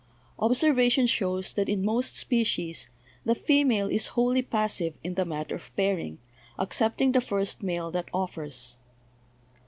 Observation shows that in most species the female is wholly passive in the matter of pairing, accepting the first male that offers.